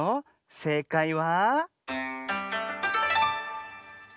せいかいは。